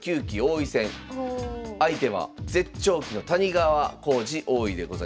相手は絶頂期の谷川浩司王位でございました。